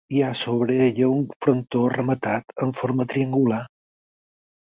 Hi ha sobre ella un frontó rematat en forma triangular.